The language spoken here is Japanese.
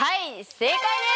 正解です！